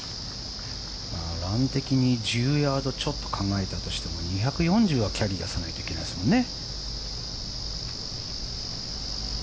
ラン的に１０ヤードちょっと考えたとしても、２４０はキャリー出さないといけないですもんね。